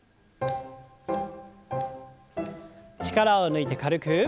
力を抜いて軽く。